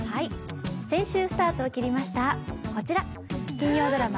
先週スタートを切りました金曜ドラマ